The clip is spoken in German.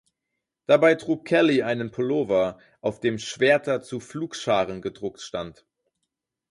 Dabei trug Kelly einen Pullover, auf dem „Schwerter zu Pflugscharen“ gedruckt stand.